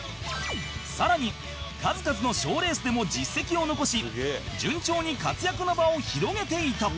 さらに数々の賞レースでも実績を残し順調に活躍の場を広げていた